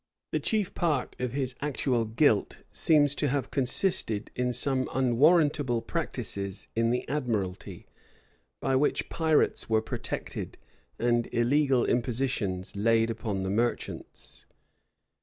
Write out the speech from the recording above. The chief part of his actual guilt seems to have consisted in some unwarrantable practices in the admiralty, by which pirates were protected and illegal impositions laid upon the merchants.